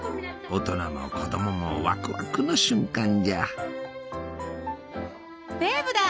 大人も子供もワクワクの瞬間じゃ。